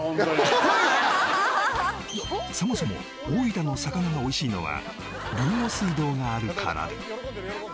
そもそも大分の魚が美味しいのは豊後水道があるから